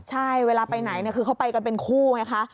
ใช่เวลาไปไหนคือเขาไปกันเป็นคู่ไงคะ